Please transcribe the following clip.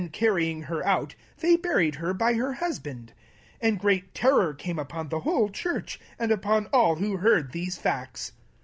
SOT carried her out, th^ buried her by her husband. 11 And great fear came upon the whole churchy and upon all that heard these things.